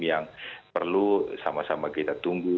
yang perlu sama sama kita tunggu